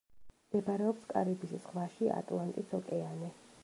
მდებარეობს კარიბის ზღვაში, ატლანტის ოკეანე.